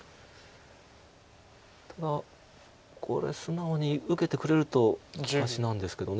ただこれ素直に受けてくれると利かしなんですけど。